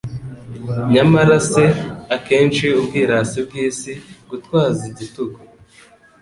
Nyamara se akenshi ubwirasi bw'isi, gutwaza igitugu